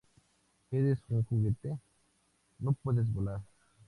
¡ Eres un juguete! ¡ no puedes volar!